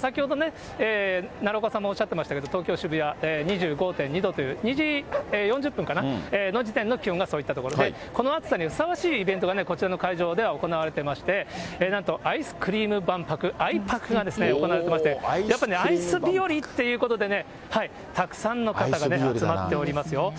先ほど、奈良岡さんもおっしゃってましたけれども、東京・渋谷、２５．２度という、２時４０分かな、の時点の気温がそういったところで、この暑さにふさわしいイベントが、こちらの会場では行われてまして、なんと、アイスクリーム万博・あいぱくが行われていまして、やっぱりアイス日和っていうことでね、たくさんの方がね、集まっておりますよ。